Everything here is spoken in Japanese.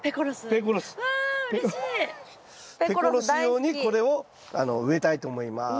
ペコロス用にこれを植えたいと思います。